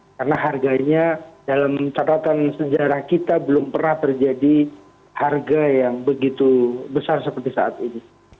karena harganya dalam catatan sejarah kita belum pernah terjadi harga yang begitu besar seperti saat ini